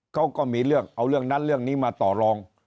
เขาก็มีเรื่องเอาเรื่องนั้นเรื่องนี้มาต่อรอง